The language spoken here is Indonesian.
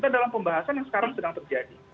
dalam pembahasan yang sekarang sedang terjadi